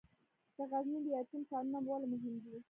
د غزني لیتیم کانونه ولې مهم دي؟